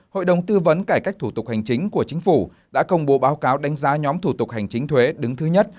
hội đồng tư vấn cải cách thủ tục hành chính của chính phủ đã công bố báo cáo đánh giá nhóm thủ tục hành chính thuế đứng thứ nhất